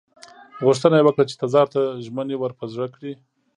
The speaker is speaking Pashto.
غوښتنه یې وکړه چې تزار ته ژمنې ور په زړه کړي.